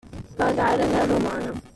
Pagare alla romana.